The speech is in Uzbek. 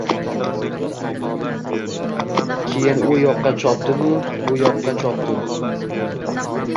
Keyin u yoqqa chopdim-bu yoqqa chopdim